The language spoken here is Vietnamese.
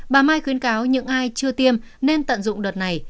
bà mai khuyến cáo những ai chưa tiêm nên tận dụng đợt này